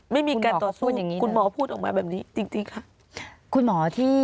ไม่มีการต่อสู้คุณหมอพูดออกมาแบบนี้จริงค่ะ